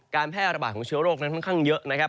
แพร่ระบาดของเชื้อโรคนั้นค่อนข้างเยอะนะครับ